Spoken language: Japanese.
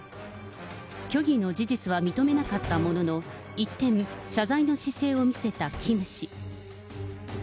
虚偽の事実は認めなかったものの、一転、謝罪の姿勢を見せたキム氏。